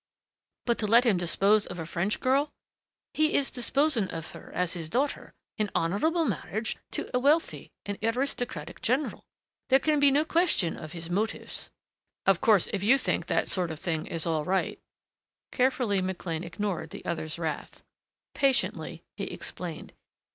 "But to let him dispose of a French girl " "He is disposing of her, as his daughter, in honorable marriage to a wealthy and aristocratic general. There can be no question of his motives " "Of course, if you think that sort of thing is all right " Carefully McLean ignored the other's wrath. Patiently he explained.